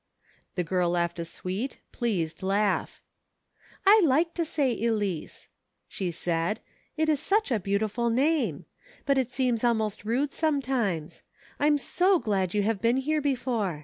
The girl laughed a sweet, pleased laugh. " I like to say Elice," she said, " it is such a beautiful name ; but it seems almost rude some times. I'm so glad you have been here before.